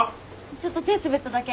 ちょっと手滑っただけ。